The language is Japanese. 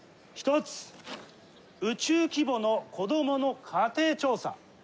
宇宙規模の子どもの家庭調査。